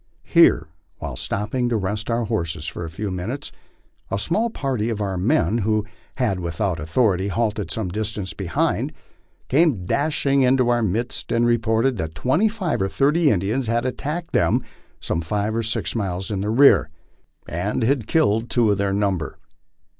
Here, while stopping to rest our horses for a few minutes, a small party of our men, who had without authority halted some distance behind, came dashing into our midst and reported that twenty five or thirty Indians had attacked them some five or six miles in rear, and had killed two of their number.